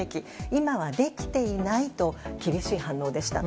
今はできていないと厳しい反応でした。